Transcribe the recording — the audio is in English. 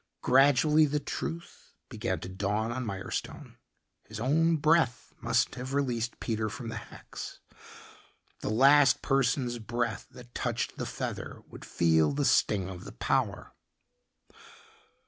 Gradually the truth began to dawn on Mirestone. His own breath must have released Peter from the hex. The last person's breath that touched the feather would feel the sting of the power.